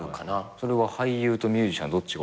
それは俳優とミュージシャンどっちが多いとかあります？